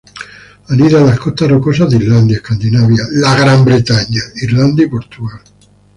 Anida en las costas rocosas de Islandia, Escandinavia, Gran Bretaña, Irlanda y Portugal.